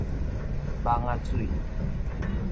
蠓仔水